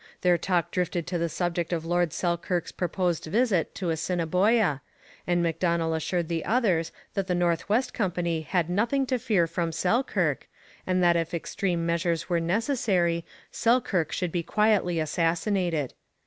Their talk drifted to the subject of Lord Selkirk's proposed visit to Assiniboia, and Macdonell assured the others that the North West Company had nothing to fear from Selkirk, and that if extreme measures were necessary Selkirk should be quietly assassinated.